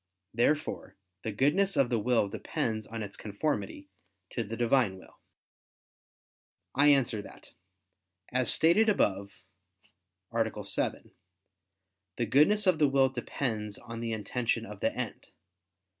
Therefore the goodness of the will depends on its conformity to the Divine will. I answer that, As stated above (A. 7), the goodness of the will depends on the intention of the end.